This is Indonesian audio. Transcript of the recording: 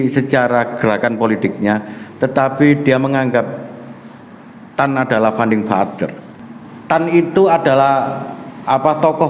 secara gerakan politiknya tetapi dia menganggap tan adalah funding father tan itu adalah apa tokoh